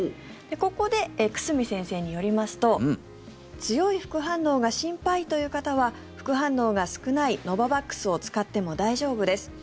ここで、久住先生によりますと強い副反応が心配という方は副反応が少ないノババックスを使っても大丈夫です。